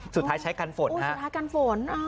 สุดท้ายใช้กันฝนฮะสุดท้ายกันฝน